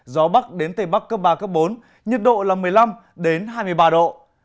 gió bắc đến tây bắc cấp ba cấp bốn nhiệt độ là một mươi năm hai mươi ba độ